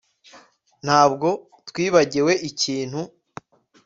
Ntabwo twibagiwe ikintu